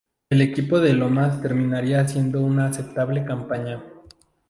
El equipo de Lomas terminaría haciendo una aceptable campaña.